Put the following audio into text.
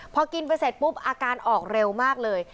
พอกินไปเสร็จปุ๊บอาการออกเร็วมากเลย